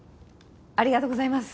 ありがとうございます。